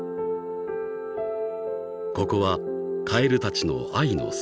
［ここはカエルたちの愛の巣］